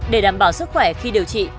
để đảm bảo sức khỏe khi điều trị